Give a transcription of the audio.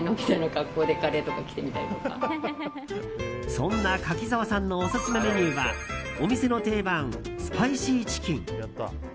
そんな柿澤さんのオススメメニューはお店の定番、スパイシーチキン。